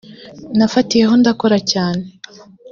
nafatiyeho ndakora cyane